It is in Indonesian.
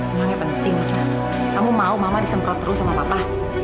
nyuannya penting kamu mau mama disemprot terus sama papa